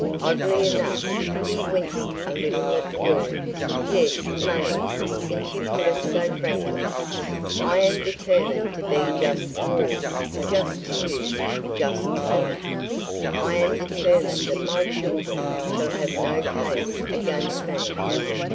Oddly enough, he winced a little at the word. "Yes. Money, since you put it so frankly. I am determined to be just to all just to you, just to them. I am determined that my children shall have no case against me."